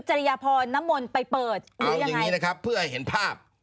จริยพรน้ำมนต์ไปเปิดหรือยังไงเอาอย่างงี้นะครับเพื่อให้เห็นภาพ